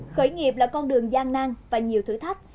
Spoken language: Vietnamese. khởi nghiệp là con đường gian nan và nhiều thử thách